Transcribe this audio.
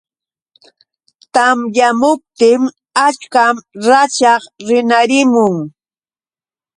Tamyamuptin achkan rachaq rinarimun.